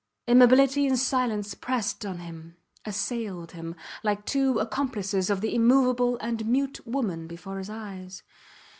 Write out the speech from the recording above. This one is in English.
Immobility and silence pressed on him, assailed him, like two accomplices of the immovable and mute woman before his eyes.